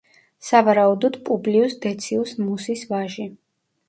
სავარაუდოდ პუბლიუს დეციუს მუსის ვაჟი.